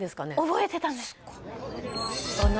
覚えてたんですあっ